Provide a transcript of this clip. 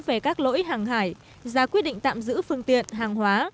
về các lỗi hàng hải ra quyết định tạm giữ phương tiện hàng hóa